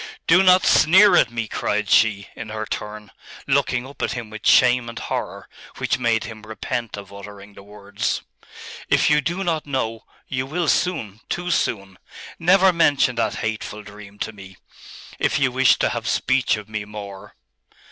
'Do not sneer at me!' cried she, in her turn, looking up at him with shame and horror, which made him repent of uttering the words. 'If you do not know you will soon, too soon! Never mention that hateful dream to me, if you wish to have speech of me more!